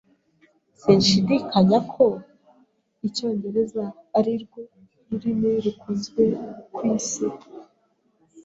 Sinshidikanya ko Icyongereza arirwo rurimi rukunze kwisi.